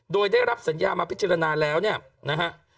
โดยได้รับสัญญามาพิจารณาแล้วเนี่ยนะฮะ